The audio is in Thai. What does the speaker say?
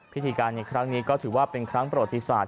พิธีการในครั้งนี้ก็ถือว่าเป็นครั้งประวัติศาสต